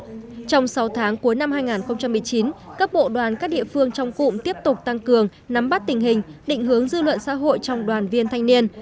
trong sáu tháng cuối năm hai nghìn một mươi chín các bộ đoàn các địa phương trong cụm tiếp tục tăng cường nắm bắt tình hình định hướng dư luận xã hội trong đoàn viên thanh niên